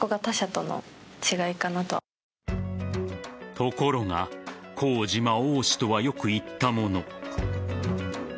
ところが好事魔多しとはよく言ったもの。